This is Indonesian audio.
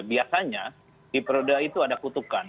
biasanya di periode itu ada kutukan